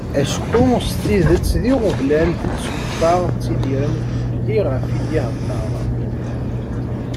Acku s tidet d iɣeblan d tlufa ttidiren iɣef d-iheddeṛ.